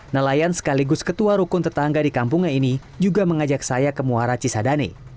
nelayan sekaligus ketua rukun tetangga di kampungnya ini juga mengajak saya ke muara cisadane